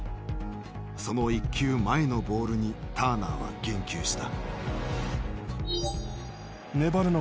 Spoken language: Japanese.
その１球前のボールにターナーは言及した。